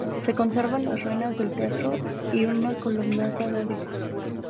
Se conservan las ruinas del teatro y una columnata dórica.